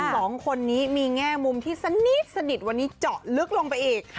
สองคนนี้มีแง่มุมที่สนิทวันนี้เจาะลึกลงไปอีก